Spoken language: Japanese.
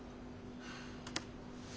はあ。